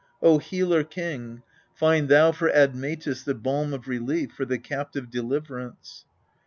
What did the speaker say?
O Healer king, Find thou for Admetus the balm of relief, for the captive deliverance